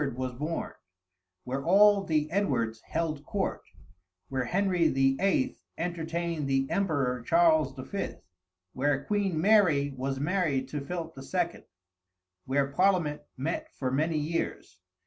was born; where all the Edwards held court; where Henry VIII. entertained the emperor Charles V.; where Queen Mary was married to Philip II.; where Parliament met for many years.